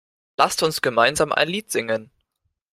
Lasst uns gemeinsam ein Lied singen!